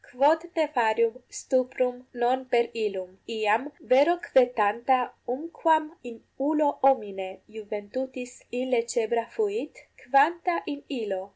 quod nefarium stuprum non per illum? Iam vero quae tanta umquam in ullo homine iuventutis inlecebra 8 fuit, quanta in illo?